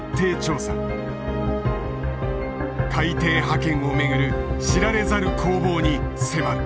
海底覇権をめぐる知られざる攻防に迫る。